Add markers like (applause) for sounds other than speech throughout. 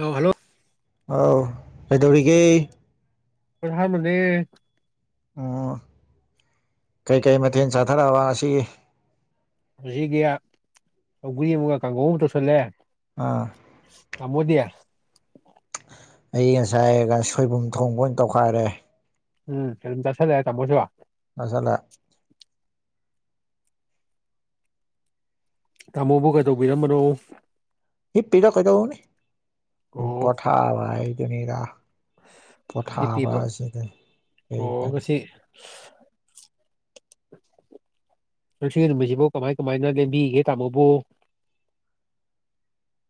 ꯑꯥꯎ ꯍꯜꯂꯣ ꯑꯥꯎ ꯀꯩꯗꯧꯔꯤꯒꯦ (unintelligible) ꯑꯣ ꯀꯩꯀꯩ ꯃꯊꯦꯜ ꯆꯥꯊꯔꯛꯑꯕ ꯑꯁꯤꯒꯤ ꯉꯁꯤꯒꯤ ꯁꯧꯒ꯭ꯔꯤ ꯑꯝꯒ ꯀꯥꯡꯒꯧ ꯑꯝꯒ ꯇꯧꯁꯜꯂꯦ ꯑꯥ ꯇꯥꯃꯣꯗꯤ ꯑꯩ ꯉꯁꯥꯏ ꯒ ꯁꯣꯏꯕꯨꯝ ꯊꯣꯡꯕ ꯑꯣꯏꯅ ꯇꯧꯈꯥꯏꯔꯦ ꯎꯝ ꯌꯥꯝ ꯆꯥꯁꯜꯂꯦ ꯇꯥꯃꯣꯁꯨ ꯐꯖꯅ ꯇꯥꯃꯣꯕꯨ ꯀꯩꯗꯧꯕꯤꯔꯝꯕꯅꯣ ꯍꯤꯞ ꯄꯤꯗ ꯀꯩꯗꯧꯔꯨꯅꯤ ꯄꯣꯊꯥꯕ ꯍꯥꯢꯗꯨꯅꯤꯗ ꯍꯤꯞ ꯄꯤꯕ ꯀꯩ ꯑꯣ ꯀꯥꯏꯗꯦ ꯉꯁꯤ (unintelligible) ꯉꯁꯤ ꯅꯨꯃꯤꯠꯁꯤꯕꯨ ꯀꯃꯥꯏ ꯀꯃꯥꯏꯅ ꯂꯦꯟꯕꯤꯒꯤꯒꯦ ꯇꯥꯃꯣꯕꯨ (inaudible)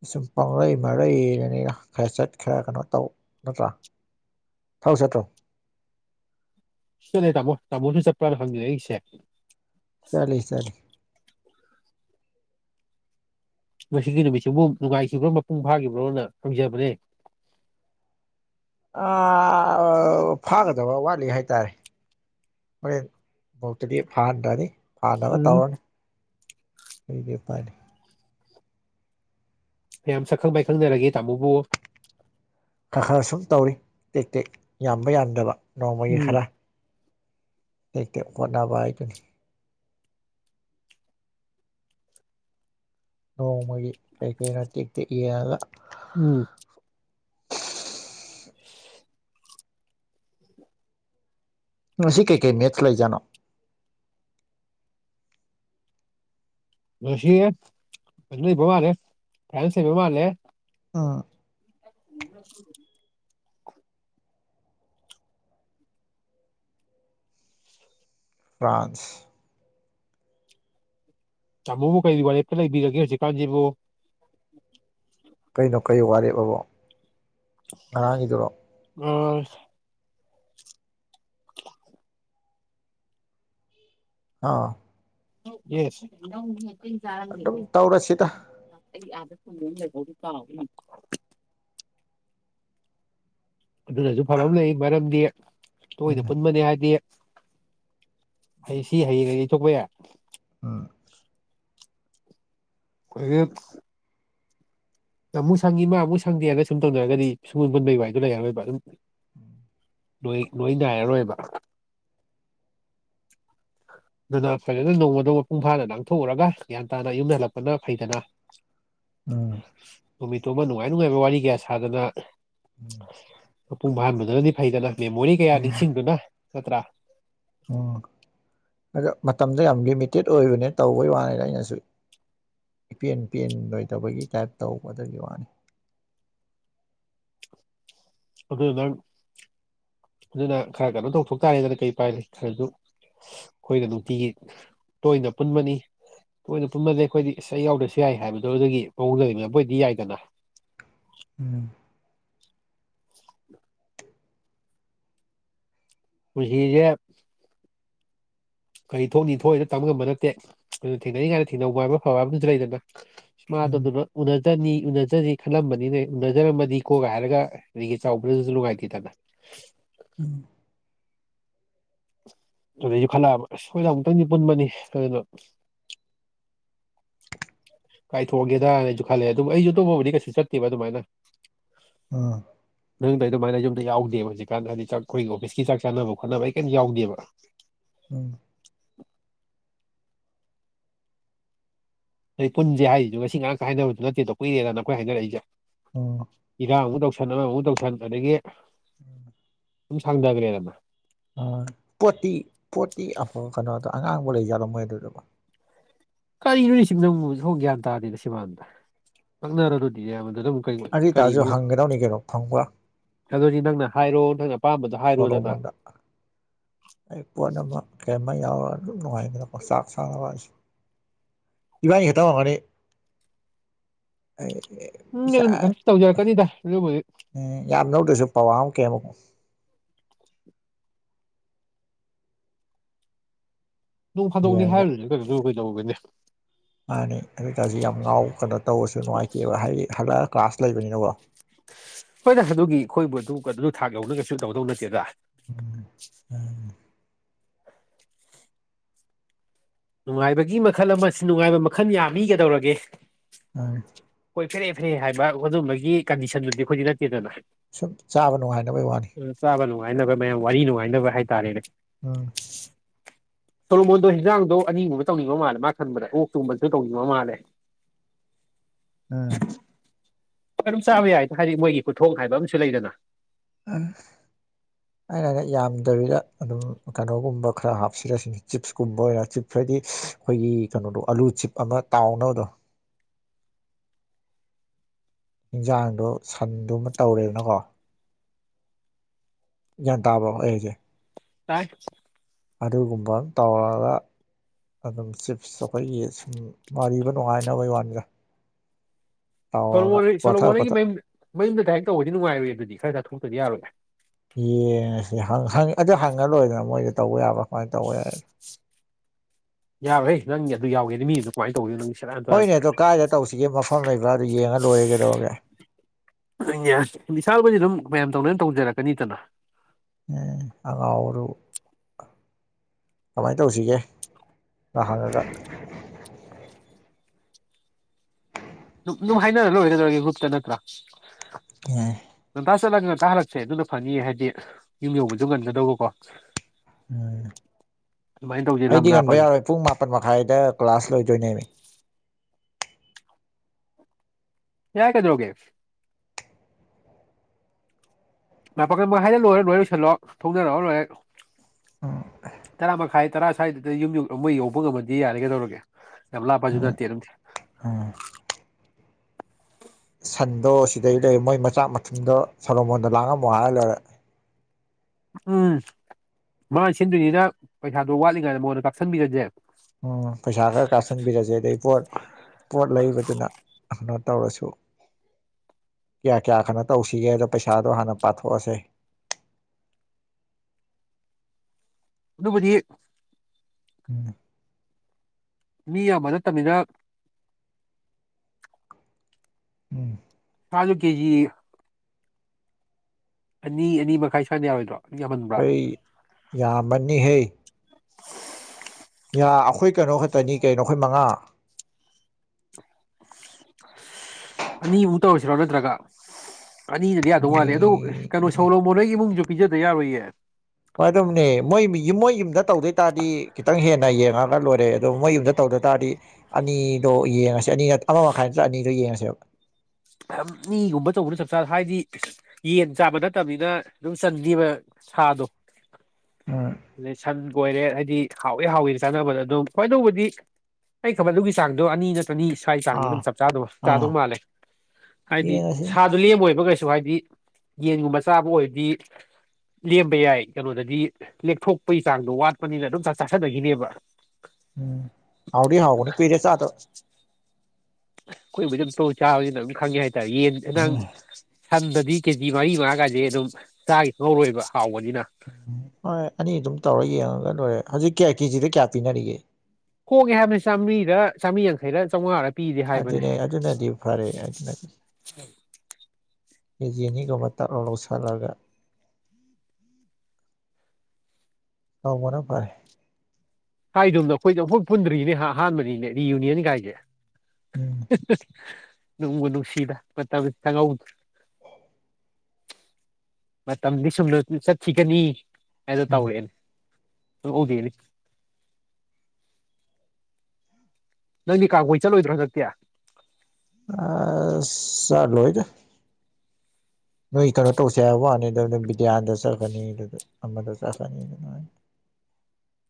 ꯑꯁꯨꯝ ꯄꯪꯂꯩ ꯃꯔꯩꯔꯤꯗꯨꯅꯤꯗ ꯈꯔꯆꯠ ꯈꯔ ꯀꯩꯅꯣ ꯇꯧ ꯅꯠꯇ꯭ꯔꯥ ꯊꯧ ꯆꯠꯇ꯭ꯔꯣ ꯆꯠꯂꯦ ꯇꯥꯃꯣ ꯇꯥꯃꯣꯁꯨ ꯆꯠꯄ꯭ꯔꯥꯅ ꯍꯪꯉꯤꯅꯦ ꯑꯩꯁꯦ ꯆꯠꯂꯤ ꯆꯠꯂꯤ ꯉꯁꯤꯒꯤ ꯅꯨꯃꯤꯠꯁꯤꯕꯨ ꯅꯨꯡꯉꯥꯏꯈꯤꯕ꯭ꯔꯥ ꯃꯄꯨꯡ ꯐꯥꯈꯤꯕ꯭ꯔꯣꯅ ꯍꯪꯖꯕꯅꯦ (inaudible) ꯑꯥ ꯐꯥꯒꯗꯕ ꯋꯥꯠꯂꯤ ꯍꯥꯏꯇꯥꯔꯦ ꯍꯣꯔꯦꯟ ꯄꯣꯇꯗꯤ ꯐꯥꯟꯗꯅꯤ ꯐꯥꯅꯕ ꯎꯝ ꯇꯧꯔꯅꯤ ꯀꯩꯗꯤ ꯎꯄꯥꯏꯂꯩ ꯀꯌꯥꯝ ꯁꯛꯈꯪ ꯃꯥꯢꯈꯪꯅꯔꯒꯦ ꯇꯥꯃꯣꯕꯨ ꯈꯔ ꯈꯔ ꯁꯨꯝ ꯇꯧꯔꯤ ꯇꯦꯛ ꯇꯦꯛ ꯌꯥꯝꯕ ꯌꯥꯝꯗꯕ ꯅꯣꯡꯃꯒꯤ ꯎꯝ ꯈꯔ ꯇꯦꯛꯇꯦꯛ ꯍꯣꯠꯅꯕ ꯍꯥꯏꯗꯨꯅꯤ ꯅꯣꯡꯃꯒꯤ ꯀꯩ ꯀꯩꯅꯦ ꯇꯦꯛꯇꯦꯛ ꯌꯦꯡꯉꯒ ꯎꯝ ꯉꯁꯤ ꯀꯩꯀꯩ ꯃꯦ꯭ꯠꯆ ꯂꯩꯖꯥꯅꯣ ꯉꯁꯤ (unintelligible) ꯐ꯭ꯔꯥꯁ ꯂꯩꯕ ꯃꯥꯜꯂꯦ ꯑꯥ (unintelligible) ꯐ꯭ꯔꯥꯟꯁ ꯇꯥꯃꯣꯕꯨ ꯀꯩ ꯋꯥꯔꯦꯞꯇ ꯂꯩꯕꯤꯔꯒꯦ ꯍꯧꯖꯤꯛꯀꯥꯟꯖꯤꯕꯨ ꯀꯩꯅꯣ ꯀꯩ ꯋꯥꯔꯦꯞ ꯑꯕꯣ ꯉꯔꯥꯡꯒꯤꯗꯨꯔꯣ ꯑꯪ ꯑꯥꯎ ꯑꯗꯨꯝ ꯇꯧꯔꯁꯤꯗ (unintelligible) (unintelligible) ꯑꯗꯨꯅꯖꯨ ꯐꯕ ꯑꯃ ꯂꯩ ꯃꯔꯝꯗꯤ ꯇꯣꯏꯅ ꯎꯝ ꯄꯨꯟꯕꯅꯦ ꯍꯥꯏꯗꯤ ꯑꯩ ꯁꯤ ꯍꯌꯦꯡ ꯌꯩꯊꯣꯛꯄ ꯌꯥꯏ ꯎꯝ (unintelligible) ꯑꯃꯨꯛ ꯁꯪꯉꯤ ꯃꯥ ꯑꯃꯨꯛ ꯁꯪꯗꯦꯅ ꯁꯨꯝ ꯇꯧꯅꯔꯒꯗꯤ ꯁꯨꯡꯄꯨꯟ ꯄꯨꯟꯕꯩ ꯋꯥꯔꯤꯗꯣ ꯂꯩꯔꯔꯣꯏꯕ ꯑꯗꯨꯝ (inaudible) ꯂꯣꯏ ꯂꯣꯏꯅꯥꯏꯔꯔꯣꯏꯕ ꯑꯗꯨꯅ ꯐꯖꯅ ꯅꯣꯡꯃꯗꯣ ꯃꯄꯨꯡ ꯐꯥꯅ ꯂꯥꯡꯊꯣꯛꯎꯔꯒ ꯒ꯭ꯌꯥꯟ ꯇꯥꯅ ꯌꯨꯝꯗ ꯍꯜꯂꯛꯄꯅ ꯐꯩꯗꯅ ꯎꯝ ꯅꯣꯃꯤꯠ ꯇꯣꯃ ꯅꯨꯡꯉꯥꯏ ꯅꯨꯡꯉꯥꯏꯕ ꯋꯥꯔꯤ ꯀꯌꯥ ꯁꯥꯗꯅ ꯎꯝ ꯃꯄꯨꯡ ꯐꯥꯍꯟꯕꯗꯨꯅꯗꯤ ꯐꯩꯗꯅ ꯃꯦꯃꯣꯔꯤ ꯀꯌꯥ ꯅꯤꯡꯁꯤꯡꯗꯨꯅ ꯅꯠꯇ꯭ꯔꯥ ꯃꯣꯡ ꯑꯗꯣ ꯃꯇꯝꯗꯣ ꯌꯥꯝ ꯂꯤꯃꯤꯇꯦꯠ ꯑꯣꯏꯕꯅꯦ ꯇꯧꯕꯩ ꯋꯥꯅꯤꯗ ꯑꯩꯅꯖꯨ ꯏꯄꯦꯟ (unintelligible) ꯇꯥꯏꯞ ꯇꯧꯕ ꯑꯗꯨꯒꯤ ꯋꯥꯅꯤ ꯑꯗꯨ ꯅꯪ ꯑꯗꯨꯅ ꯈꯔ ꯒꯗꯣ ꯇꯧꯊꯣꯛ ꯇꯥꯔꯦꯗꯅ ꯀꯩ ꯄꯥꯏ ꯂꯩ ꯈꯔꯁꯨ ꯑꯩꯈꯣꯏꯅ ꯅꯨꯡꯇꯤꯒꯤ ꯇꯣꯏꯅ ꯄꯨꯟꯕꯅꯤ ꯇꯣꯏꯅ ꯄꯨꯨꯝꯃꯗꯦ ꯑꯩꯈꯣꯏꯗꯤ ꯏꯁꯩ ꯌꯥꯎꯗ꯭ꯔꯁꯨ ꯌꯥꯏ ꯍꯥꯏꯕꯗꯨ ꯑꯗꯨꯗꯒꯤ ꯃꯋꯣꯡ ꯂꯤꯕꯗꯣ ꯃꯣꯏꯗꯤ ꯌꯥꯏꯗꯅ ꯎꯝ ꯄꯨꯟꯁꯤꯖꯦ ꯀꯔꯤ ꯊꯣꯛꯅꯤ ꯊꯣꯛꯏꯅ ꯇꯝ ꯉꯝꯕ ꯅꯠꯇꯦ ꯑꯗꯨꯅ ꯊꯦꯡꯅꯔꯤ ꯀꯥꯏꯅ ꯊꯦꯡꯅꯕ ꯍꯥꯏꯕ ꯐꯕ ꯍꯥꯏꯕꯗꯨꯁꯨ ꯂꯩꯗꯅ ꯁꯃ ꯎꯝ ꯑꯗꯨꯗꯨꯅ ꯎꯅꯗꯅꯤ ꯎꯅꯖꯅꯤ ꯈꯜꯂꯝꯕꯅꯤꯅꯦ ꯎꯅꯖꯔꯝꯃꯗꯤ ꯀꯣꯒ ꯍꯥꯏꯔꯒ ꯑꯩꯒꯤ ꯆꯥꯎꯕꯗꯁꯨ (unintelligible) ꯎꯝ ꯑꯗꯨꯗꯩ ꯈꯠꯅꯕ ꯑꯁ ꯑꯩꯈꯣꯏꯁꯦ ꯑꯃꯨꯛꯇꯪꯁꯨ ꯄꯨꯟꯕꯅꯤ ꯑꯗꯨꯅꯣ ꯀꯥꯏꯊꯣꯛꯑꯒꯦꯗꯅ ꯑꯩꯁꯨ ꯈꯜꯂꯦ ꯑꯗꯨꯕꯨ ꯑꯩꯁꯨ ꯑꯇꯣꯞꯄꯕꯨꯗꯤ ꯀꯩꯁꯨ ꯆꯠꯇꯦꯕ ꯑꯗꯨꯃꯥꯏꯅ ꯑ ꯅꯪꯗ ꯑꯩ ꯑꯗꯨꯃꯥꯏꯅ ꯌꯨꯝꯗ ꯌꯥꯎꯗꯦꯕ ꯍꯧꯖꯤꯛꯀꯥꯟꯗ ꯍꯥꯏꯗꯤ ꯆꯥꯛ ꯑꯩꯈꯣꯏꯒꯤ ꯑꯣꯐꯤꯁꯀꯤ ꯆꯥꯛ ꯆꯥꯅꯕ ꯈꯣꯠꯅꯕ ꯑꯩ ꯀꯔꯤꯝꯇ ꯌꯥꯎꯗꯦꯕ ꯎꯝ (inaudible) ꯑꯩ ꯄꯨꯟꯁꯦ ꯍꯥꯏꯔꯤꯗꯨꯣ ꯉꯁꯤ ꯉꯥꯏꯥꯛꯇ ꯍꯥꯏꯅꯕꯗꯨ ꯅꯠꯇꯦꯗꯣ ꯀꯨꯏꯔꯦꯅ ꯅ ꯑꯩꯈꯣꯏ ꯍꯥꯏꯅꯔꯛꯏꯁꯦ ꯑꯝ ꯏꯔꯥꯡ ꯑꯃꯨꯛ ꯇꯧꯁꯟ ꯑꯃꯃꯨꯛ ꯇꯧꯁꯟ ꯑꯗꯒꯤ ꯎꯝ ꯁꯨꯝ ꯁꯥꯡꯊꯈ꯭ꯔꯦꯗꯅ ꯄꯣꯠꯇꯤ ꯄꯣꯠꯇꯤ ꯑꯐꯕ ꯀꯩꯅꯣꯗꯣ ꯑꯉꯥꯡꯕ ꯂꯩꯖꯠꯂꯣ ꯃꯣꯏ ꯑꯗꯨꯗꯨꯕꯣ ꯀꯔꯤꯅꯣ ꯁꯤ ꯅꯪꯕꯨ ꯁꯣꯡ ꯒ꯭ꯌꯥꯟ ꯇꯥꯗ꯭ꯔꯤꯕꯁꯤꯕꯣ (unintelligible) ꯑꯔꯤꯇꯥꯁꯨ ꯀꯔꯤꯅꯣ ꯍꯪꯒꯗꯧꯅꯤ ꯀꯩꯅꯣ ꯐꯪꯕ꯭ꯔꯥ ꯑꯗꯨꯗꯤ ꯅꯪꯅ ꯍꯥꯏꯔꯣ ꯅꯪꯅ ꯑꯄꯥꯝꯕꯗꯣ ꯍꯥꯏꯔꯣꯗꯅ ꯁꯣꯂꯣꯕꯗ ꯑꯩ ꯄꯣꯠ ꯑꯃ ꯀꯌꯥꯃ ꯌꯥꯎꯔꯒ ꯅꯨꯡꯉꯥꯏꯗꯅ ꯄꯪꯁꯥꯟ ꯁꯥꯅ ꯕꯁꯦ ꯏꯕꯅꯤ ꯈꯛꯇꯥ ꯑꯣꯏꯒꯅꯤ ꯎꯝ ꯑꯗꯨꯝ ꯇꯧꯖꯔꯛꯀꯅꯤꯗ ꯑꯗꯨꯕꯨ ꯎꯝ ꯌꯥꯔꯅꯣ ꯁ ꯄꯋꯥ ꯀꯦꯃꯣ ꯅꯣꯡ ꯐꯥꯗꯣꯛꯅꯤ ꯌꯦꯡꯉꯒ ꯍꯥꯏꯔꯗꯨꯁꯨ ꯀꯩꯁꯨ ꯑꯩꯈꯣꯏ ꯂꯧꯒꯅꯤ ꯃꯥꯅꯤ ꯑꯗꯨ ꯑꯣꯏꯇꯥꯔꯁꯨ ꯌꯥꯝ ꯉꯥꯎ ꯀꯩꯅꯣ ꯇꯧꯔꯁꯨ ꯅꯨꯡꯉꯥꯏꯇꯦꯕ ꯍꯥꯏ ꯍꯜꯂꯛ ꯀ꯭ꯂꯥꯁ ꯂꯩꯕꯅꯤꯅꯀꯣ ꯍꯣꯏꯗ ꯑꯗꯨꯒꯤ ꯑꯩꯈꯣꯏꯕꯨ ꯑꯗꯨ ꯑꯗꯨ ꯊꯥꯛ ꯌꯧꯅꯒꯁꯨ ꯇꯧꯗꯧ ꯅꯠꯇꯦꯗ ꯎꯝ ꯌꯥ (inaudible) ꯅꯨꯡꯉꯥꯏꯕꯒꯤ ꯃꯈꯜ ꯑꯃ ꯁꯤ ꯅꯨꯡꯉꯥꯏꯕ ꯃꯈꯜ ꯌꯥꯝꯃꯤꯒꯗꯧꯔꯒꯦ ꯍ ꯐ꯭ꯔꯤꯅꯦ ꯐ꯭ꯔꯤꯅꯦ ꯍꯥꯏꯕ ꯑꯗꯨꯝꯕꯒꯤ ꯀꯟꯗꯤꯁꯟꯗꯨꯗꯤ ꯑꯩꯈꯣꯏꯗꯤ ꯅꯠꯇꯦꯗꯅ ꯁꯨꯝ ꯆꯥꯕ ꯅꯨꯡꯉꯥꯏꯇꯕꯩ ꯋꯥꯅꯤ ꯑꯗꯨꯅ ꯆꯥꯕ ꯅꯨꯡꯉꯥꯏꯅꯕ ꯃꯌꯥꯝ ꯋꯥꯔꯤ ꯅꯨꯡꯉꯥꯏꯅꯕ ꯍꯥꯏꯇꯥꯔꯦꯅꯦ ꯑꯥ (inaudible) ꯇꯣꯂꯃꯨꯗꯣ ꯍꯤꯟꯖꯥꯡꯗꯣ ꯑꯅꯤꯒꯨꯝꯕ ꯇꯧꯅꯤꯡꯕ ꯃꯥꯜꯂꯦ ꯃꯥꯅ ꯈꯟꯕꯗ ꯑꯣꯛ ꯊꯣꯡꯕꯁꯨ ꯇꯧꯅꯤꯡꯕ ꯃꯥꯜꯂꯦ (inaudible) ꯎꯝ ꯑꯗꯨꯝ ꯆꯥꯕ ꯌꯥꯏꯗ ꯍꯥꯏꯗꯤ ꯃꯣꯏꯒꯤ ꯈꯨꯊꯣꯡ ꯍꯥꯏꯕ ꯑꯃꯁꯨ ꯂꯩꯗꯅ ꯑ ꯑꯩꯅꯒ ꯌꯥꯝꯗꯕꯤꯗ ꯑꯗꯨꯝ ꯀꯩꯅꯣꯒꯨꯝꯕ ꯈꯔ ꯍꯥꯞꯁꯤꯔ ꯆꯤꯞꯁꯀꯨꯝꯕ ꯑꯣꯏꯅ ꯆꯤꯞ ꯍꯥꯏꯗꯤ ꯑꯩꯈꯣꯏꯒꯤ ꯀꯩꯅꯣꯗꯣ ꯑꯂꯨ ꯆꯤꯞ ꯑꯃ ꯇꯥꯎꯅꯕꯗꯣ (inaudible) ꯍꯤꯟꯖꯥꯡꯗꯣ ꯁꯟꯗꯨꯃ ꯇꯧꯔꯦꯗꯅꯀꯣ ꯒꯌ꯭ꯥꯟ ꯇꯥꯕ꯭ꯔꯣ ꯑꯩꯍꯥꯏꯖꯦ ꯇꯥꯏ ꯑꯗꯨꯒꯨꯝꯕ ꯇꯧꯔꯒ ꯑꯗꯨꯝ ꯆꯤꯞꯁ ꯑꯩꯈꯣꯏꯒꯤ ꯁꯨꯝ ꯃꯥꯔꯤꯕ ꯅꯨꯡꯉꯥꯏꯅꯕ ꯋꯥꯅꯤꯗꯥ ꯁꯣꯂꯣꯃꯣ ꯁꯣꯂꯣꯃꯣꯅꯤꯒꯤ ꯃꯌꯨꯝ ꯃꯌꯨꯝꯗ ꯗꯥꯏꯔꯦꯛ ꯇꯧꯕꯗꯤ ꯅꯨꯡꯉꯥꯏꯔꯣꯏꯌꯦ ꯑꯗꯨꯗꯤ ꯈꯔ ꯆꯥꯊꯣꯛꯇꯗ꯭ꯔꯤ ꯌꯥꯔꯣꯏ ꯚꯥꯏ ꯌꯦꯡꯉꯁꯤ ꯍꯪ ꯍꯪ ꯑꯗꯨ ꯍꯪꯉꯂꯣꯏꯔꯦꯗꯅ ꯃꯣꯏꯗ ꯇꯧꯕ ꯌꯥꯕ꯭ꯔꯥ ꯀꯃꯥꯏꯅ ꯇꯧꯕ ꯌꯥꯏ ꯌꯥꯔꯣꯏꯍꯦ ꯅꯪꯒꯤ ꯑꯗꯨ ꯌꯥꯎꯒꯦꯗꯤ ꯃꯤ ꯌꯨꯝꯗ ꯀꯃꯥꯏꯅ ꯇꯧꯗꯨꯏꯅꯣ ꯅꯪ ꯁꯦꯔꯥꯟ ꯇꯨꯔꯥꯟ ꯍꯣꯏꯅꯦ ꯑꯗꯣ ꯀꯗꯥꯥꯏꯗ ꯇꯧꯁꯤꯒꯦ ꯃꯐꯝ ꯂꯩꯕ꯭ꯔꯥ ꯑꯗꯨ ꯌꯦꯡꯉ ꯂꯣꯏꯔꯦ ꯀꯩꯗꯧꯔꯒꯦ ꯑꯗꯨꯅꯦ ꯑꯁ ꯕꯤꯁꯥꯜꯕꯨꯗꯤ ꯑꯗꯨꯝ ꯃꯌꯥꯝ ꯇꯧꯅꯩ ꯇꯧꯖꯔꯛꯀꯅꯤꯗꯅ ꯑꯦ ꯑꯉꯥꯎꯕꯗꯨꯕꯨ ꯀꯃꯥꯏ ꯇꯧꯁꯤꯒꯦ ꯑ ꯍꯪꯉꯒ ꯑꯗꯨꯝ ꯍꯥꯏꯅꯔ ꯂꯣꯏꯔꯦ ꯀꯩꯗꯧꯔꯒꯦ ꯒ꯭ꯔꯨꯞꯇ ꯅꯠꯇ꯭ꯔꯥ ꯌꯥꯏꯑꯦ ꯑꯥ ꯆꯠꯂꯒ ꯉꯟꯇꯥ ꯍꯜꯂꯛꯁꯦ ꯑꯗꯨꯅ ꯐꯅꯤꯌꯦ ꯍꯥꯏꯗꯤ ꯌꯨꯝ ꯌꯧꯕꯁꯨ ꯉꯟꯒꯗꯧꯕꯀꯣ ꯎꯝ ꯑꯗꯨꯃꯥꯏꯅ ꯇꯧꯁꯦ ꯂꯝ ꯑꯩꯗꯤ ꯉꯟꯕ ꯂꯥꯞꯄꯁꯨ ꯌꯥꯔꯣꯏ ꯄꯨꯡ ꯃꯥꯄꯜ ꯃꯈꯥꯏꯗ ꯀ꯭ꯂꯥꯁ ꯂꯣꯏꯗꯣꯏꯅꯦꯃꯤ ꯌꯥꯏ ꯀꯩꯗꯧꯔꯒꯦ ꯃꯥꯄꯟ ꯃꯈꯥꯏꯗ ꯂꯣꯏꯔ ꯂꯣꯏ ꯂꯣꯏꯁꯤꯜꯂꯣ ꯊꯣꯡꯅꯔꯛꯑꯣ ꯂꯣꯏꯔꯦ ꯎꯝ ꯇꯔꯥꯃꯈꯥꯏ ꯇꯔꯥ ꯁ꯭ꯋꯥꯏꯗꯨꯗ ꯌꯨꯝ ꯌ ꯃꯣꯏ ꯌꯧꯕ ꯉꯝꯃꯗꯤ ꯌꯥꯔꯦ ꯀꯩꯗꯧꯔꯒꯦ ꯌꯥꯝ ꯂꯥꯞꯄꯁꯨ ꯅꯠꯇꯦ ꯑꯗꯨꯝ ꯎꯝ ꯁꯟꯗꯣ ꯁꯤꯗꯩ ꯂꯩ ꯃꯣꯏ ꯃꯆꯥꯛ ꯃꯊꯨꯝꯗꯣ ꯁꯣꯂꯣꯃꯣꯟꯗ ꯂꯥꯡꯉꯝꯃꯣ ꯍꯥꯏꯔ ꯂꯣꯏꯔꯦ ꯎꯝ ꯃꯥꯅ ꯁꯤꯟꯗꯣꯏꯅꯤꯅ ꯄꯩꯁꯥꯗꯣ ꯋꯥꯠꯂꯤꯉꯩꯏꯗ ꯃꯉꯣꯟꯗ ꯀꯥꯞꯁꯤꯟꯕꯤꯔꯁꯦ ꯎꯝ ꯄꯩꯁꯥ ꯈꯔ ꯀꯥꯥꯞꯁꯟꯕꯤꯔꯁꯦ ꯑꯗꯩ ꯄꯣꯠ ꯄꯣꯠ ꯂꯩꯕꯗꯨꯅ ꯀꯩꯅꯣ ꯇꯧꯔꯁꯨ ꯀꯌꯥ ꯀꯌꯥ ꯀꯩꯅꯣ ꯇꯧꯁꯤꯒꯦꯗꯣ ꯄꯩꯁꯥꯗꯣ ꯍꯥꯟꯅ ꯄꯥꯊꯣꯛꯑꯁꯦ (inaudible) ꯑꯗꯨꯕꯨꯗꯤ ꯎꯝ ꯃꯤ ꯌꯥꯝꯕ ꯅꯠꯇꯕꯅꯤꯅ ꯎꯝ ꯁꯥꯗꯨ ꯀꯦꯖꯤ ꯑꯅꯤ ꯑꯅꯤ ꯃꯈꯥꯏ ꯁ꯭ꯋꯥꯏꯅ ꯌꯥꯎꯔꯣꯏꯗ꯭ꯔꯣ ꯍꯩ ꯌꯥꯝꯃꯅꯤ ꯍꯦ ꯌꯥ ꯑꯩꯈꯣꯏ ꯀꯩꯅꯣ ꯈꯛꯇꯅꯤ ꯀꯩꯅꯣ ꯑꯩꯈꯣꯏ ꯃꯉꯥ ꯑꯅꯤꯃꯨꯛ ꯇꯧꯔꯁꯤꯔꯣ ꯑꯗꯨ ꯅꯠꯇ꯭ꯔꯒ ꯑꯅꯤꯅꯗꯤ ꯌꯥꯗꯧ ꯃꯥꯜꯂꯦ ꯑꯗꯣ ꯑꯅꯤ ꯀꯩꯅꯣ ꯁꯣꯂꯣꯃꯣꯟ ꯍꯣꯏ ꯏꯃꯨꯡꯖꯨ ꯄꯤꯖꯗ ꯌꯥꯔꯣꯏꯌꯦ ꯍꯣꯏ ꯑꯗꯨꯝꯅꯦ ꯃꯣꯏ ꯃꯣꯏ ꯌꯨꯝꯗ ꯇꯧꯗꯣꯏ ꯇꯥꯔꯗꯤ ꯈꯤꯇꯪ ꯍꯦꯟꯅ ꯌꯦꯡꯉꯒ ꯂꯣꯏꯔꯦ ꯑꯗꯣ ꯃꯣꯏ ꯌꯨꯝꯗ ꯇꯧ ꯑꯗꯨꯇꯥꯔꯗꯤ ꯑꯅꯤꯗꯣ ꯌꯦꯡꯉꯁꯦ ꯑꯅꯤ ꯑꯃꯥ ꯃꯈꯥꯏ ꯅꯠꯇ꯭ꯔꯒ ꯑꯅꯤꯗꯣ ꯌꯦꯡꯉꯁꯦꯕ ꯑꯥꯝ ꯃꯤꯒꯨꯝꯕ ꯇꯧꯕꯅ ꯆꯞ ꯆꯥ ꯍꯥꯏꯗꯤ ꯌꯦꯟ ꯆꯥꯕ ꯅꯠꯇꯕꯅꯤꯅ ꯑꯗꯨꯝ ꯆꯟꯅꯦꯕ ꯁꯥꯗꯣ ꯎꯝ ꯑꯗꯩ ꯁꯟ ꯀꯣꯏꯔꯦ ꯍꯥꯏꯗꯤ ꯍꯥꯎꯏꯤ ꯍꯥꯎꯏꯤ ꯆꯥꯟꯅꯕꯗ ꯑꯗꯨꯝ ꯍꯣꯏ ꯑꯗꯨꯕꯗꯤ ꯑꯩ ꯑꯗꯨꯒꯤ ꯆꯥꯛꯗꯣ ꯑꯅꯤ ꯅꯇ ꯆꯅꯤ ꯁ꯭ꯋꯥꯏ ꯆꯥꯡꯅꯤ ꯑꯗꯨꯝ ꯑꯥ ꯆꯞ ꯆꯥꯗ ꯆꯥꯗꯧ ꯑꯥ ꯃꯥꯜꯂꯦ ꯍꯥꯏꯗꯤ ꯌꯦꯡꯉꯁꯤ ꯁꯥꯗꯣ ꯂꯦꯝꯃꯣꯏꯕ ꯀꯩꯁꯨ ꯁ ꯍꯥꯏꯗꯤ ꯌꯦꯟꯒꯨꯝꯕ ꯆꯥꯕ ꯑꯣꯏꯔꯗꯤ ꯂꯦꯝꯕ ꯌꯥꯏ ꯀꯩꯅꯣꯗꯗꯤ ꯂꯦꯛꯊꯣꯛꯄꯒꯤ ꯆꯥꯡꯗꯣ ꯋꯥꯠꯄꯅꯤꯅ ꯑꯗꯨꯝ ꯆꯥꯛ ꯆꯥꯁꯤꯟꯕꯩꯅꯦꯕ ꯎꯝ ꯍꯥꯎꯗꯤ ꯍꯥꯎꯒꯅꯤ ꯀꯨꯏꯔꯦ ꯆꯥꯗꯕ ꯑꯩꯈꯣꯏꯕꯨ ꯑꯗꯨꯝ ꯇꯧ ꯆꯥꯕꯁꯤꯅ ꯑꯗꯨꯝ ꯈꯪꯉꯦ ꯍꯥꯏꯇꯥꯔꯦ ꯌꯦꯟ ꯅꯪ ꯎꯝ ꯁꯟꯗꯗꯤ ꯀꯦꯖꯤ ꯃꯔꯤ ꯃꯉꯥ ꯀꯥꯏꯁꯦ ꯑꯗꯨꯝ ꯆꯥꯒꯤꯁꯨ ꯈꯪꯍꯧꯔꯣꯏ ꯍꯥꯎꯕꯅꯤ ꯎꯝ ꯍꯣꯏ ꯑꯅꯤ ꯑꯗꯨꯝ ꯇꯧꯔ ꯌꯦꯡꯉꯒ ꯂꯣꯏꯔꯦ ꯍꯧꯖꯤꯛ ꯀꯌꯥ ꯀꯦꯖꯤꯗ ꯀꯌꯥ ꯄꯤꯅꯔꯤꯒꯦ ꯍꯣꯡꯉꯦ ꯍꯥꯏꯕꯅꯤ ꯆꯥꯝꯃ꯭ꯔꯤꯔ ꯆꯥꯝꯔꯤ ꯌꯥꯡꯈꯩꯔ ꯆꯥꯝꯃꯉꯥ ꯔꯥ ꯑꯗꯨꯅꯦ ꯑꯗꯨꯅꯗꯤ ꯐꯔꯦ ꯑꯗꯨꯅꯗꯤ ꯀꯦꯖꯤ ꯑꯅꯤꯒꯨꯝꯕ ꯇꯛ ꯂꯥꯎꯅ ꯂꯧꯁꯤꯜꯂꯒ ꯍꯥꯎꯕꯅ ꯐꯔꯦ ꯀꯥꯏꯗꯣꯝꯗ ꯑꯩꯈꯣꯏꯗꯣꯨꯈꯣꯏ ꯄꯨꯟꯗ꯭ꯔꯤꯅꯦ ꯍꯥ ꯑꯍꯥꯟꯕꯅꯤꯅꯦ ꯔꯤꯌꯨꯅꯤꯌꯟ ꯀꯥꯏꯁꯦ ꯎꯝ ꯍꯦꯍꯦ ꯅꯨꯡꯕꯨ ꯅꯨꯡꯁꯤꯗ ꯃꯇꯝꯁꯦ ꯈꯪꯍꯧꯗꯦ ꯃꯇꯝꯗꯤ ꯁꯨꯝ ꯆꯠꯈꯤꯒꯅꯤ ꯑꯗꯣ ꯎꯝ ꯇꯧꯔꯦꯅꯦ ꯅꯪꯗꯤ ꯀꯥꯡ ꯀꯣꯏ ꯆꯠꯂꯣꯏꯗ꯭ꯔꯣ ꯍꯟꯗꯛꯇꯤ ꯑꯁ ꯆꯠꯂꯣꯏꯗ ꯅꯣꯏ ꯀꯩꯅꯣ ꯇꯧꯁꯦ ꯍꯥꯏꯕ ꯋꯥꯅꯤ ꯕꯤꯗꯤꯌꯥꯟꯗ ꯆꯠꯈꯔꯅꯤ ꯑꯃꯗꯣ ꯆꯠꯈꯅꯤ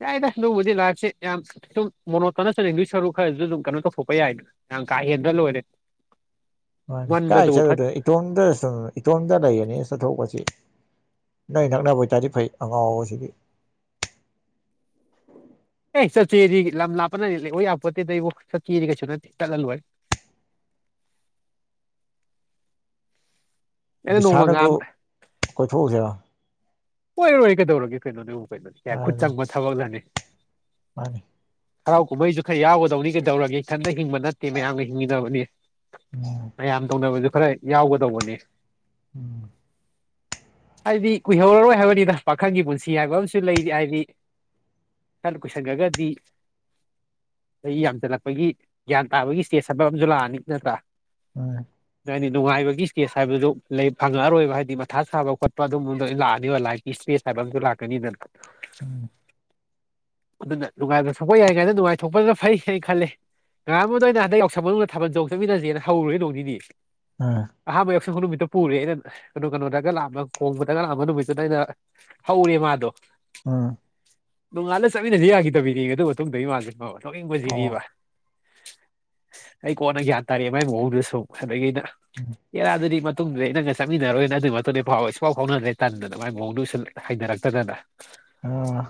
ꯌꯥꯏꯗ ꯑꯗꯨꯕꯨꯗꯤ ꯂꯥꯐꯁꯦ ꯌꯥꯝ ꯁꯨꯝ ꯃꯣꯅꯣ ꯇꯅ ꯆꯠꯂꯗꯨꯏ ꯁꯔꯨꯛ ꯈꯔꯁꯨ ꯑꯗꯨꯝ ꯀꯩꯅꯣ ꯇꯧꯊꯣꯛꯄ ꯌꯥꯏꯗꯅ ꯅꯪ ꯀꯥ ꯍꯦꯟꯗ꯭ꯔ ꯂꯣꯏꯔꯦ ꯃꯥꯟꯅꯦ ꯀꯥꯏ ꯉꯟꯕꯗꯕꯨ ꯐꯠ ꯆꯠꯂꯨꯗꯣ ꯏꯇꯣꯝꯗ ꯁꯨ ꯏꯇꯣꯝꯇ ꯂꯩꯒꯅꯤ ꯆꯠꯊꯣꯛꯄꯁꯤ ꯅꯪ ꯅꯛ ꯅꯅꯕ ꯑꯣꯏꯇꯥꯔꯗꯤ ꯐꯩ ꯑꯉꯥꯎꯕꯁꯤꯗꯤ (inaudible) ꯆ ꯆꯦꯗꯤ ꯂꯝ ꯂꯥꯞꯄꯅ ꯂꯩ ꯑꯣ ꯌꯥꯝꯄꯣꯠꯇꯦꯗꯕ ꯆ ꯆꯠꯀꯦꯗꯤ ꯀꯩꯁꯨ ꯅꯠꯇ ꯆꯠꯂꯂꯣꯏꯔꯦ (inaudible) ꯅꯣꯡꯃ ꯕꯤꯁꯥꯅ ꯍꯣꯏꯕꯨ ꯉꯥꯝ ꯀꯣꯏꯊꯣꯛꯎꯁꯤꯔ ꯀꯣꯏ ꯂꯣꯏꯔꯦ ꯀꯩꯗꯧꯔꯒꯦ ꯀꯩꯅꯣꯅꯦꯕꯨ ꯀꯩꯅꯣꯅꯦ ꯀꯌꯥ ꯈꯨꯠ ꯍꯥꯏꯔꯗꯤ ꯆꯪꯕ ꯊꯕꯛꯂꯅꯦ ꯃꯥꯅꯤ ꯍꯔꯥꯎ ꯀꯨꯝꯍꯩꯁꯨ ꯈꯔ ꯌꯥꯎꯒꯗꯧꯅꯤ ꯀꯩꯗꯧꯔꯒꯦ ꯈꯟꯇ ꯍꯤꯡꯕ ꯅꯠꯇꯦ ꯃꯌꯥꯝꯒ ꯍꯤꯡꯃꯤꯟꯅꯕꯅꯤ ꯎꯝ ꯃꯌꯥꯝ ꯇꯧꯅꯕꯁꯨ ꯈꯔ ꯌꯥꯎꯒꯗꯧꯕꯅꯤ ꯎꯝ ꯍꯥꯏꯗꯤ ꯀꯨꯏꯍꯧꯔꯔꯣꯏ ꯍꯥꯏꯕꯅꯤꯗ ꯄꯥꯈꯪꯒꯤ ꯄꯨꯟꯁꯤ ꯍꯥꯏꯕ ꯑꯃꯁꯨ ꯂꯩꯔꯤ ꯍꯥꯏꯗꯤ ꯆꯜ ꯀꯨꯏꯁꯤꯟꯒꯗꯤ ꯆꯥꯍꯤ ꯌꯥꯝꯁꯤꯜꯂꯛꯄꯒꯤ ꯒ꯭ꯌꯥꯟ ꯇꯥꯕꯒꯤ ꯏꯁꯇꯦꯖ ꯊꯕꯛ ꯑꯃꯁꯨ ꯂꯥꯛꯑꯅꯤ ꯅꯠꯇ꯭ꯔꯥ ꯎꯝ ꯍꯥꯏꯗꯤ ꯅꯨꯡꯉꯥꯏꯕꯒꯤ ꯏꯁꯀꯦꯁ ꯍꯥꯏꯕꯗꯨ ꯂꯩ ꯐꯪꯉꯛꯑꯔꯣꯏꯕ ꯍꯥꯏꯗꯤ ꯃꯊꯥ ꯁꯥꯕ ꯈꯣꯠꯄ ꯑꯗꯨꯝꯕꯕꯗ ꯂꯥꯛ ꯑꯅꯤ ꯂꯥꯏꯞ ꯏꯁꯄꯦꯁ ꯍꯥꯏꯕ ꯑꯇ ꯂꯥꯛꯀꯅꯤꯗꯅ ꯎꯝ ꯑꯗꯨꯅ ꯅꯨꯡꯉꯥꯏꯕ ꯊꯣꯛꯄ ꯌꯥꯏ ꯀꯥꯏꯅ ꯅꯨꯡꯉꯥꯏꯊꯣꯛꯄꯅ ꯐꯩ ꯍꯥꯏꯅ ꯈꯜꯂꯤ ꯉꯉꯔꯥꯡꯥꯟꯕꯗ ꯑ ꯑꯣꯏꯅ ꯍꯟꯗꯛ ꯌꯥꯎꯁꯪ ꯃꯅꯨꯡꯗ ꯊꯥꯕꯜ ꯆꯣꯡ ꯆꯠꯃꯤꯟꯅꯁꯦꯅ ꯍꯧꯔꯨꯔꯣꯏ ꯅꯣꯡꯅꯤꯅꯤ ꯎꯝ ꯑꯍꯥꯟꯕ ꯁ ꯅꯨꯃꯤꯠꯇ ꯄꯨꯔꯦ ꯑꯩꯅ ꯀꯩꯅꯣ ꯀꯩꯅꯣꯗꯒ ꯂꯥꯛꯑꯝꯕ ꯈꯣꯡꯕꯗꯒ ꯂꯥꯛꯑꯝꯕ ꯅꯨꯃꯤꯠꯇꯨꯗ ꯑꯩꯅ ꯍꯧꯔꯦ ꯃꯥꯗꯣ ꯎꯝ ꯅꯣꯡꯉꯥꯟꯂꯗ ꯆꯠꯃꯤꯟꯅꯁꯤ ꯌꯥꯈꯤꯗꯕꯤꯗꯤ ꯑꯗꯨ ꯃꯇꯨꯡꯗ ꯏ ꯃꯥꯁꯦ ꯅꯣꯛꯅꯤꯡꯕꯁꯤ ꯑꯣ ꯗꯕ ꯑꯩ ꯀꯣꯟꯅ ꯒ꯭ꯌꯥꯟ ꯇꯥꯔꯛꯑꯦ ꯃꯥꯏ ꯃꯑꯣꯡꯗꯨꯁꯨ ꯑꯗꯒꯤ ꯑꯩꯅ ꯎꯝ ꯑꯦ ꯃꯗꯨꯗꯤ ꯃꯇꯨꯡꯗꯗꯤ ꯅꯪꯒ ꯆꯠꯃꯤꯟꯅꯔꯣꯏꯅ ꯑꯗꯨꯒꯤ ꯃꯇꯨꯡꯗꯐꯥꯎ ꯏꯐꯥꯎ ꯐꯥꯎꯅꯗ꯭ꯔꯦ ꯇꯟꯗꯅ ꯃꯒꯤ ꯃꯑꯣꯡꯗ ꯍ ꯍꯥꯏꯅꯔꯛꯇꯗꯅ ꯑꯥ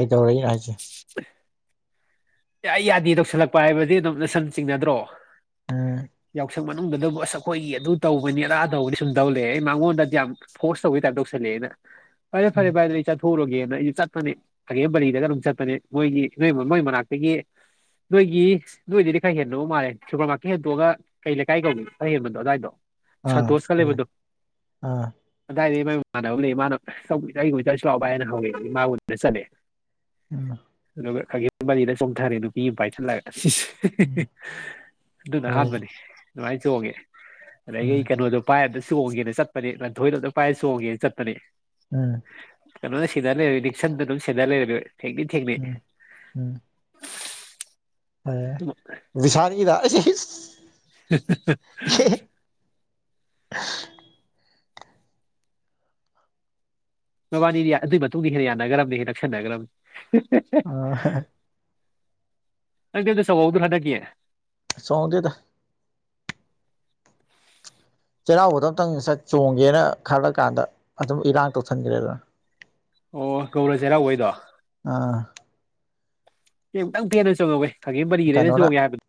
ꯀꯩꯗꯧꯔꯛꯏꯅꯣ ꯍꯥꯏꯁꯦ (inaudible) ꯌꯥꯢ ꯌꯥꯗꯦ ꯇꯧꯁꯜꯂꯛꯄ ꯍꯥꯏꯕꯗꯤ ꯑꯗꯨꯝ ꯁꯨꯟ ꯆꯤꯡꯅꯗ꯭ꯔꯣ ꯎꯝ ꯌꯥꯎꯁꯪ ꯃꯅꯨꯡꯗ ꯑꯗꯨꯕꯨ ꯑꯁ ꯑꯩꯈꯣꯏꯒꯤ ꯑꯗꯨ ꯇꯧꯕꯅꯤ ꯑꯗ ꯇꯧꯕꯅꯤ ꯁꯨꯝ ꯇꯧ ꯂꯩ ꯌꯦ ꯑꯩ ꯃꯉꯣꯟꯗꯗꯤ ꯌꯥꯝ ꯐꯣꯔꯁ ꯇꯧꯕꯒꯤ ꯇꯥꯏꯞꯇ ꯇꯧꯁꯟꯂꯛ ꯂꯛꯑꯦꯅ ꯐꯔꯦ ꯐꯔꯦ ꯎꯝ ꯚꯥꯏ ꯑꯗꯨꯗꯤ ꯑꯩ ꯆꯠꯊꯣꯛꯎꯔꯨꯔꯒꯦꯅ ꯑꯩꯁꯨ ꯆꯠꯄꯅꯦ ꯒꯥꯒꯦꯝ ꯄꯂꯤꯗꯒ ꯑꯗꯨꯝ ꯆꯠꯄꯅꯦ ꯃꯣꯏꯒꯤ ꯃꯣꯏꯒꯤ ꯃꯅꯥꯛꯇ ꯑꯗꯒꯤ ꯅꯣꯏꯒꯤ ꯅꯣꯏꯗꯗꯤ ꯈꯔ ꯍꯦꯟꯗꯧ ꯃꯥꯜꯂꯦ ꯁꯨꯄꯔ ꯃꯥꯔꯀꯦꯠ ꯍꯦꯟꯇꯣꯛꯑꯒ ꯀꯩ ꯂꯩꯀꯥꯏ ꯀꯧꯒꯦ ꯈꯔ ꯍꯦꯟꯕꯗꯣ ꯑꯗꯨꯋꯥꯏꯗꯣ ꯑꯥ ꯁꯟꯇꯣꯁꯀ ꯑꯗꯨ ꯂꯩꯕꯗꯣ ꯑꯥ ꯑꯗꯥꯢ ꯃꯥꯢ ꯃꯃꯥꯟꯅꯕ ꯂꯩ ꯃꯥꯅ ꯀꯁꯨ ꯂꯥꯛꯑꯣ ꯍꯥꯏꯅ ꯍꯧꯋꯦ ꯃꯥꯕꯨꯗꯤꯅ ꯆꯠꯂꯦ ꯎꯝ ꯑꯗꯨꯒ ꯈꯒꯦꯝꯄꯂꯤꯗ ꯆꯣꯡꯊꯔꯦ ꯅꯨꯄꯤ ꯑꯃ ꯄꯥꯏꯁꯤꯜꯂꯒ ꯢꯁ ꯢꯁ ꯎꯝ ꯍꯤꯍꯤ ꯑꯗꯨꯅ ꯐꯔꯦꯅꯦ ꯑꯥꯍꯟꯕꯅꯤ ꯑꯗꯨꯃꯥꯏꯅ ꯆꯣꯡꯉꯦ ꯑꯗꯒꯤ ꯎꯝ ꯀꯩꯅꯣꯗꯣ ꯄꯥꯏ ꯑꯝꯇ ꯆꯣꯡꯒꯦꯅ ꯆꯠꯄꯅꯤ ꯉꯟꯊꯣꯏꯗꯣ ꯑꯃꯝ ꯄꯥꯏꯔ ꯆꯣꯡꯒꯦꯅ ꯆꯠꯄꯅꯤ ꯎꯝ ꯀꯩꯅꯣ ꯁꯦꯟꯅꯔ ꯂꯩꯔꯦ ꯅꯤꯛꯁꯟꯗꯨꯅ ꯁꯦꯟꯅꯔ ꯂꯩꯔꯦ ꯊꯦꯡꯗꯤ ꯊꯦꯡꯅꯩ ꯎꯝ ꯑꯦ ꯑꯗꯨꯝ ꯕꯤꯁꯥꯜꯒꯤꯔ ꯍꯦꯍꯦ ꯑꯁꯁ ꯃꯕꯥꯅꯤꯗꯤ ꯑꯗꯨꯏ ꯃꯇꯨꯡꯗꯒꯤ ꯍꯦꯟꯅ ꯌꯥꯅꯈ꯭ꯔꯕꯅꯤ ꯍꯦꯟꯅ ꯅꯛꯁꯤꯟꯅꯈ꯭ꯔꯕꯅꯤ ꯑꯥ ꯍꯍ ꯅꯪꯗꯤ ꯑꯝꯇ ꯆꯣꯡꯍꯧꯗ꯭ꯔꯣ ꯍꯟꯗꯛꯀꯤ ꯆꯣꯡꯗꯦꯗ ꯆꯩꯔꯥꯎꯕꯗ ꯑꯝꯇꯪ ꯆꯠ ꯆꯣꯡꯒꯦꯅ ꯈꯜꯂ ꯀꯥꯟꯗ ꯑꯗꯨꯝ ꯏꯔꯥꯡ ꯇꯧꯁꯤꯟꯈ꯭ꯔꯦꯗꯅ ꯑꯣ ꯒꯧꯔꯥ ꯆꯩꯔꯥꯎꯕꯩꯗꯣ ꯑꯥ ꯑꯩ ꯑꯝꯇꯪ ꯄꯦꯟꯅ ꯆꯣꯡꯉꯧꯍꯦ ꯈꯥꯒꯦꯝꯄꯜꯂꯤꯒꯤꯗ ꯑꯩꯅ ꯀꯩꯅꯣꯅ ꯆꯣꯡꯒꯦ ꯍꯥꯏꯕꯗꯣ